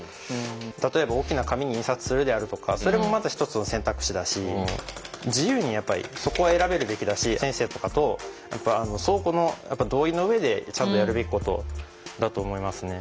例えば大きな紙に印刷するであるとかそれもまた一つの選択肢だし自由にやっぱりそこを選べるべきだし先生とかと相互の同意の上でちゃんとやるべきことだと思いますね。